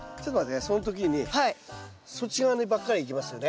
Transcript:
その時にそっち側にばっかりいきますよね。